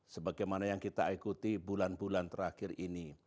sebagaimana yang kita ikuti bulan bulan terakhir ini